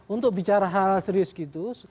untuk bicara hal serius gitu